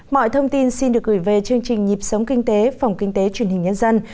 mọi thông tin xin được gửi về chương trình nhịp sống kinh tế phòng kinh tế truyền hình nhân dân